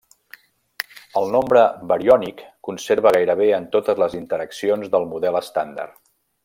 El nombre bariònic conserva gairebé en totes les interaccions del model estàndard.